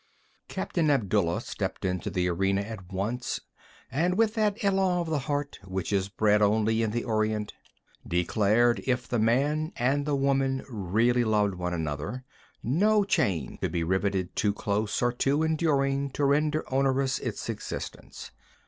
Captain Abdullah stepped into the arena at once, and with that élan of the heart, which is bred only in the Orient, declared if the man and the woman really loved one another, no chain could be riveted too close or too enduring to render onerous its existence.